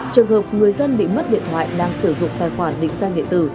trường hợp người dân bị mất điện thoại đang sử dụng tài khoản định danh điện tử